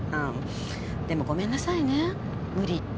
でもごめんなさいね無理言って。